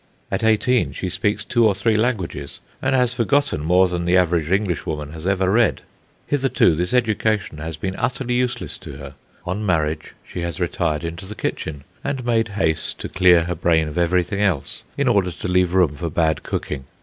At eighteen she speaks two or three languages, and has forgotten more than the average Englishwoman has ever read. Hitherto, this education has been utterly useless to her. On marriage she has retired into the kitchen, and made haste to clear her brain of everything else, in order to leave room for bad cooking.